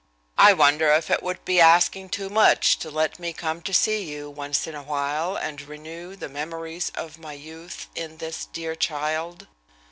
I wonder if it would be asking too much to let me come to see you once in a while and renew the memories of my youth in this dear child?"